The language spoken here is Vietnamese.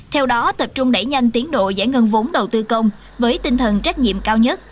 theo đó tập trung đẩy nhanh tiến độ giải ngân vốn đầu tư công với tinh thần trách nhiệm cao nhất